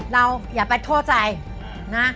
อย่าไปโทษใจนะ